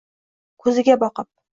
ko’ziga boqib